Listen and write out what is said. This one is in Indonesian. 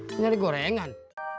mau nyari gorengan